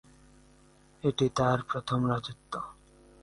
এটি তার প্রথম রাজত্ব।